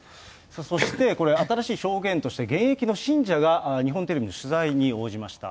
そしてこれ、新しい証言として、現役の信者が日本テレビの取材に応じました。